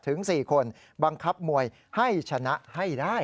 ถึง๔คนบังคับมวยให้ชนะให้ได้